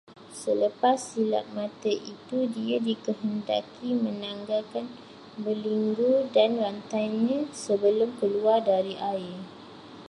Selepas silap mata itu dia dikehendaki menanggalkan belenggu dan rantainya sebelum keluar dari air